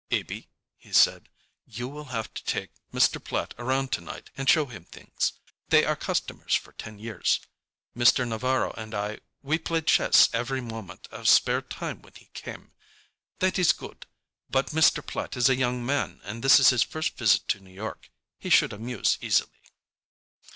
"Abey," he said, "you will have to take Mr. Platt around to night and show him things. They are customers for ten years. Mr. Navarro and I we played chess every moment of spare time when he came. That is good, but Mr. Platt is a young man and this is his first visit to New York. He should amuse easily."